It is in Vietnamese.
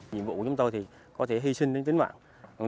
nhiệm vụ của chúng tôi thì có thể hy sinh đến tính mạng